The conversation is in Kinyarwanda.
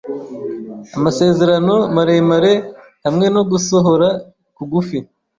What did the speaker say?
Amasezerano maremare hamwe no gusohora kugufi